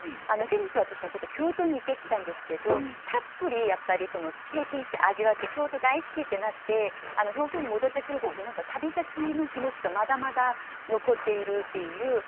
先日私もちょっと京都に行ってきたんですけどたっぷりやっぱり経験して味わって京都大好きってなって東京に戻ってくる時に何か旅先の気持ちがまだまだ残っているっていう